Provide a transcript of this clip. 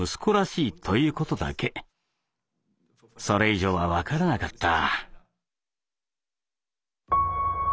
それ以上は分からなかった。